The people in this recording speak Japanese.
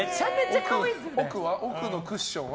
奥のクッションは？